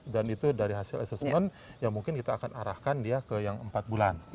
dan itu dari hasil assessment ya mungkin kita akan arahkan dia ke yang empat bulan